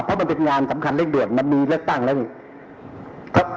เพราะมันเป็นงานสำคัญเล็กมันมีเล็กตั้งแล้ว